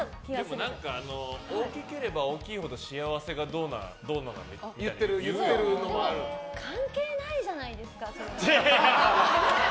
でも大きければ大きいほど幸せがどうのって関係ないじゃないですか、それ。